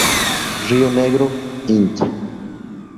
Rio Negro, Int.